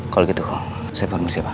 kalau begitu saya permisi pak